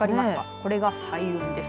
これが彩雲です。